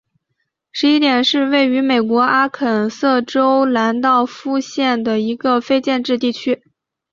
十一点是位于美国阿肯色州兰道夫县的一个非建制地区。